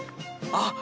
あっ！